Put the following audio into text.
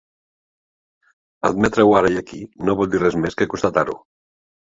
Admetre-ho ara i aquí no vol dir res més que constatar-ho.